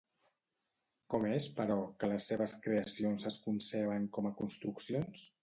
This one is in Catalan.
Com és, però, que les seves creacions es conceben com a construccions?